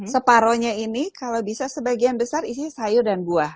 separohnya ini kalau bisa sebagian besar isinya sayur dan buah